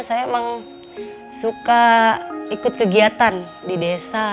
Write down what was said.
saya emang suka ikut kegiatan di desa